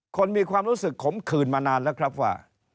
คนมีความรู้สึกขมขืนมานานแล้วครับว่า